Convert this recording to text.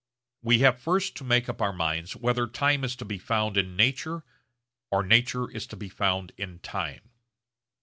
We have first to make up our minds whether time is to be found in nature or nature is to be found in time.